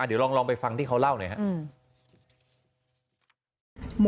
เดี๋ยวลองไปฟังที่เขาเล่าหน่อยครับ